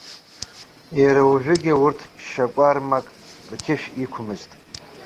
Иара уажәыгьы урҭ шьакәармак рқьышә иқәмызт.